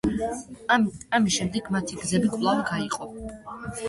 ამის შემდეგ მათი გზები კვლავ გაიყო.